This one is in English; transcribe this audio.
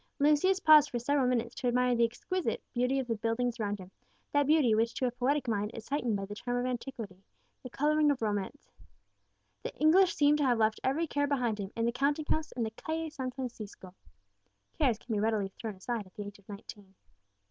Lucius paused for several minutes to admire the exquisite beauty of the buildings around him, that beauty which to a poetic mind is heightened by the charm of antiquity, the colouring of romance. The Englishman seemed to have left every care behind him in the counting house in the Calle San Francisco, cares can be readily thrown aside at the age of nineteen.